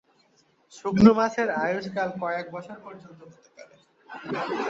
শুকনো মাছের আয়ুষ্কাল কয়েক বছর পর্যন্ত হতে পারে।